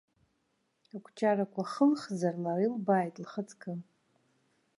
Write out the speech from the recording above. Акәҷарқәа хылхзар лара илбааит, лхаҵкы.